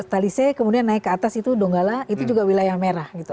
talise kemudian naik ke atas itu donggala itu juga wilayah merah gitu